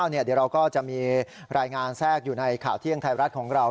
เดี๋ยวเราก็จะมีรายงานแทรกอยู่ในข่าวเที่ยงไทยรัฐของเรา